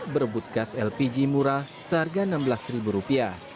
berebut gas lpg murah seharga rp enam belas